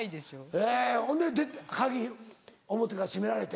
えほんで鍵表からしめられて？